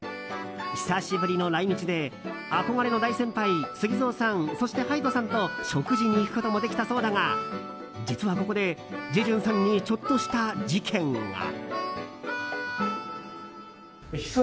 久しぶりの来日で憧れの大先輩、ＳＵＧＩＺＯさんそしてＨＹＤＥさんと食事に行くこともできたそうだが実は、ここでジェジュンさんにちょっとした事件が。